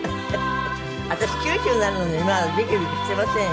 私９０になるのにまだビクビクしていませんよ。